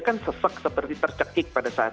kan sesek seperti tercekik pada saat